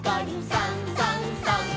「さんさんさん」